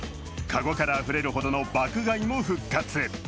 籠からあふれるほどの爆買いも復活。